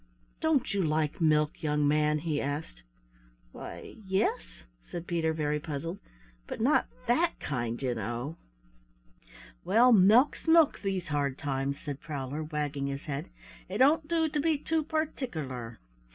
"Don't you like milk, young man?" he asked. "Why, yes," said Peter, very puzzled, "but not that kind, you know." "Well, milk's milk these hard times," said Prowler, wagging his head. "It don't do to be too particerler.